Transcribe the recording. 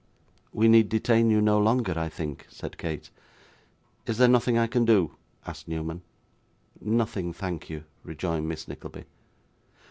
'We need detain you no longer, I think,' said Kate. 'Is there nothing I can do?' asked Newman. 'Nothing, thank you,' rejoined Miss Nickleby.